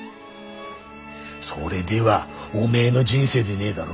それではおめえの人生でねえだろ？